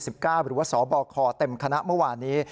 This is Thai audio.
หรือว่าสบคเต็มคณะเมื่อวานนี้